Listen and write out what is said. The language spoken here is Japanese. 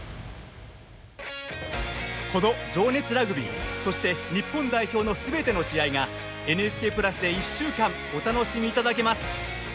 この「情熱ラグビー」そして日本代表の全ての試合がＮＨＫプラスで１週間お楽しみいただけます。